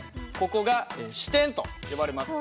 ここが支点と呼ばれます。